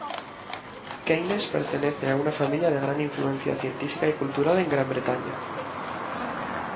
Keynes pertenece a una familia de gran influencia científica y cultural en Gran Bretaña.